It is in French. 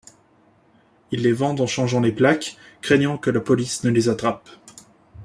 Ils les vendent en changeant les plaques, craignant que la police ne les attrapent.